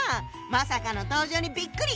まさかの登場にびっくり！